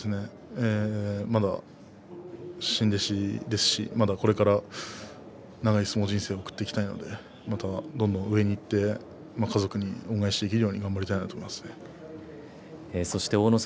まだ新弟子ですしこれから長い相撲人生を送っていきたいのでどんどん上にいって家族に恩返しできるようにそして大の里